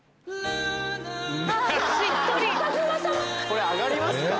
・これ上がりますか？